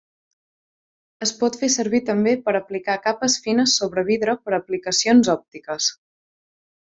Es pot fer servir també per aplicar capes fines sobre vidre per a aplicacions òptiques.